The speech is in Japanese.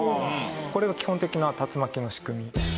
これが基本的な竜巻の仕組み。